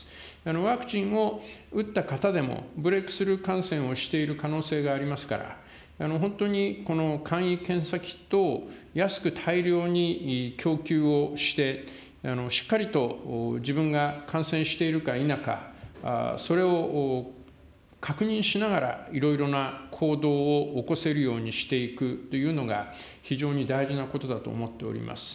ワクチンを打った方でも、ブレークスルー感染をしている可能性がありますから、本当にこの簡易検査キットを安く大量に供給をして、しっかりと自分が感染しているか否か、それを確認しながら、いろいろな行動を起こせるようにしていくというのが、非常に大事なことだと思っております。